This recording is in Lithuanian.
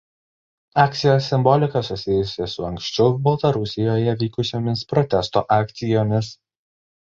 Akcijos simbolika susijusi su anksčiau Baltarusijoje vykusiomis protesto akcijomis.